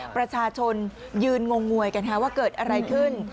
ประชาชนยืนงงงวยกันว่าเกิดอะไรขึ้น